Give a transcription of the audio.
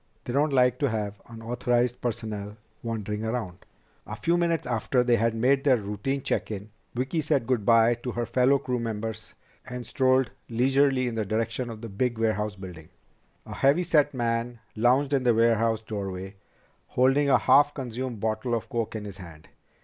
They don't like to have unauthorized personnel wandering around." A few minutes after they had made their routine check in, Vicki said good by to her fellow crew members and strolled leisurely in the direction of the big warehouse building. A heavy set man lounged in the warehouse doorway, holding a half consumed bottle of coke in his hand.